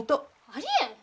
ありえん！